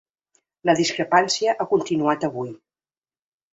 La discrepància ha continuat avui.